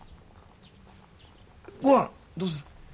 ご飯どうする？